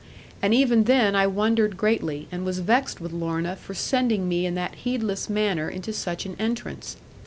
And even then I wondered greatly, and was vexed with Lorna for sending me in that heedless manner into such an entrance.